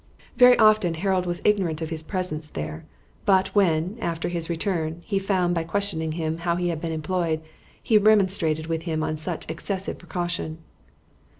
Very often Harold was ignorant of his presence there; but when, after his return, he found, by questioning him, how he had been employed, he remonstrated with him on such excessive precaution.